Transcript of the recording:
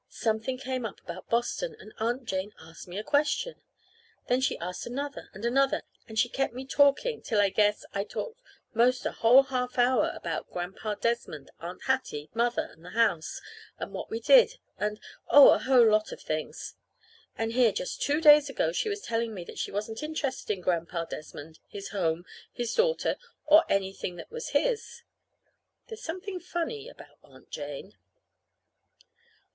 Something came up about Boston, and Aunt Jane asked me a question. Then she asked another and another, and she kept me talking till I guess I talked 'most a whole half hour about Grandpa Desmond, Aunt Hattie, Mother, and the house, and what we did, and, oh, a whole lot of things. And here, just two days ago, she was telling me that she wasn't interested in Grandpa Desmond, his home, or his daughter, or anything that was his! There's something funny about Aunt Jane.